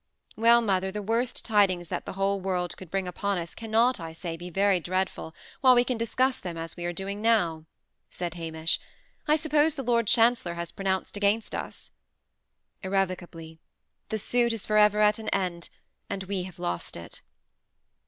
"Well, mother, the worst tidings that the whole world could bring upon us cannot, I say, be very dreadful, while we can discuss them as we are doing now," said Hamish. "I suppose the Lord Chancellor has pronounced against us?" "Irrevocably. The suit is for ever at an end, and we have lost it."